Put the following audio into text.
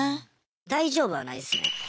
大丈夫はないですね。